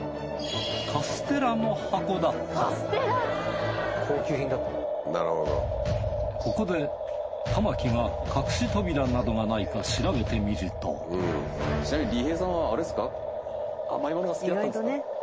カステラの箱だったここで玉置が隠し扉などがないか調べてみるとちなみに利平さんは甘いものが好きだったんですか？